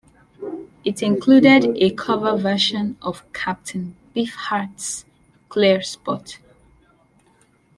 It included a cover version of Captain Beefheart's "Clear Spot".